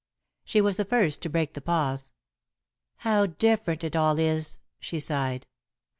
She was the first to break the pause. "How different it all is!" she sighed.